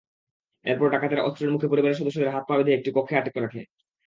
এরপর ডাকাতেরা অস্ত্রের মুখে পরিবারের সদস্যদের হাত-পা বেঁধে একটি কক্ষে আটকে রাখে।